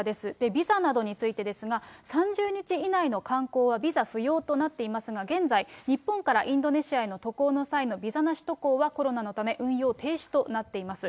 ビザなんですが、３０日以内の観光はビザ不要となっていますが、現在、日本からインドネシアへの渡航の際のビザなし渡航はコロナのため運用停止となっています。